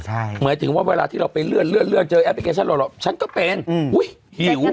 หมายถึงว่าเวลาที่เราไปเลื่อนเรื่องเจอแอปพลิเคชันหล่อฉันก็เป็นอุ้ยหิว